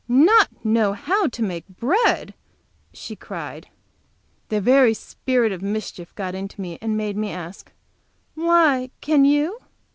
"Not know how to make bread?" she cried. The very spirit of mischief got into me, and made me ask: "Why, can you?"